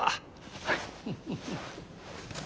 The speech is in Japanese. はい。